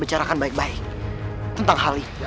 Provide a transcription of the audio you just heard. bicarakan baik baik tentang halil